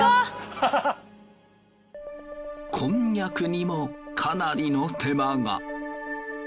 こんにゃくにもかなりの手間が。